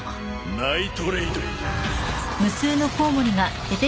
ナイトレイド。